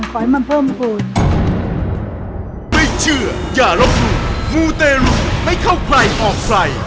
ขอบคุณครับ